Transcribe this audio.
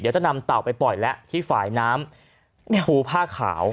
จะนำเต่าไปปล่อยแล้วที่ฝ่ายน้ำงูผ้าขาว